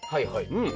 うん！